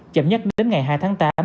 chậm nhất đến ngày hai tháng tám